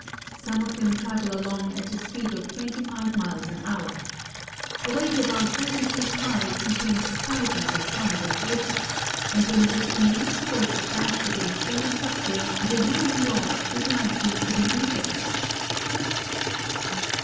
Some of them travel along at a speed of twenty five miles an hour. A wave about thirty feet high contains thousands of tons of water, and when this immense force is dashed against any structure the ruin wrought is likely to be impressive.